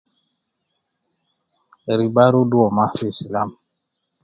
Ribah rudu uwo maa fi islam